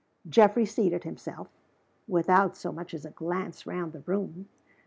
Geoffrey seated himself, without so much as a glance round the room.